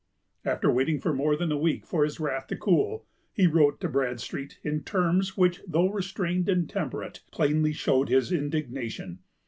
After waiting for more than a week for his wrath to cool, he wrote to Bradstreet in terms which, though restrained and temperate, plainly showed his indignation.